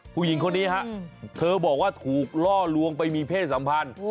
ผู้หญิงคนนี้ฮะเธอบอกว่าถูกล่อลวงไปมีเพศสัมพันธ์